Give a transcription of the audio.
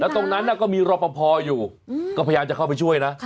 ตรงนั้นก็มีรอปภอยู่ก็พยายามจะเข้าไปช่วยนะ